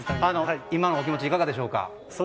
今のお気持ちいかがでしょうか。